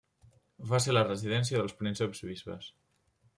Va ser la residència dels prínceps-bisbes.